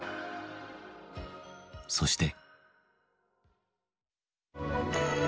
そして。